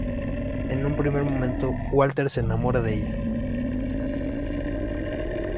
En un primer momento Walter se enamora de ella.